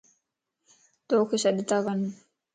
توک سڏتاڪن